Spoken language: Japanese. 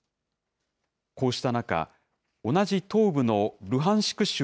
こうした中、同じ東部のルハンシク